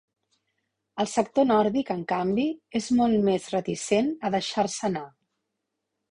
El sector nòrdic, en canvi, és molt més reticent a deixar-se anar.